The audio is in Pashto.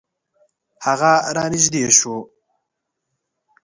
هغه را نژدې شو .